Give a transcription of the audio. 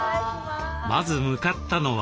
まず向かったのは。